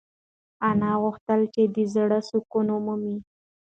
انا غوښتل چې د زړه سکون ومومي.